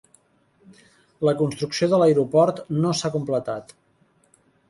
La construcció de l'aeroport no s'ha completat.